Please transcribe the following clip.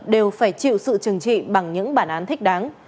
đều phải chịu sự trừng trị bằng những bản án thích đáng